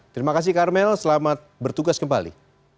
terima kasih karmel selamat bertugas kembali